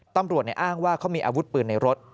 ตำรวจอ้างว่าเขามีอาวุธปืนในรถ